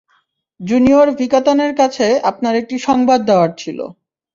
Junior ভিকাতানের কাছে আপনার একটি সংবাদ দেওয়ার ছিল।